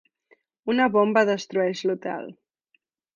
Una bomba destrueix l'hotel.